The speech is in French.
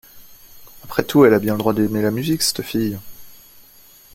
Après tout, elle a bien le droit d’aimer la musique, c’te fille.